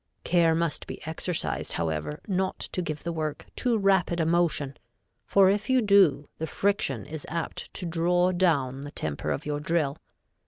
Care must be exercised, however, not to give the work too rapid a motion, for if you do the friction is apt to draw down the temper of your drill.